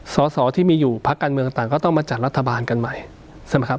สอสอที่มีอยู่พักการเมืองต่างก็ต้องมาจัดรัฐบาลกันใหม่ใช่ไหมครับ